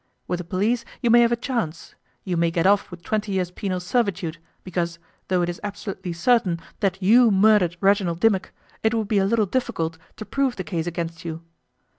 With the police you may have a chance you may get off with twenty years' penal servitude, because, though it is absolutely certain that you murdered Reginald Dimmock, it would be a little difficult to prove the case against you.